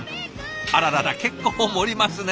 あららら結構盛りますね。